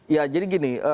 ya jadi gini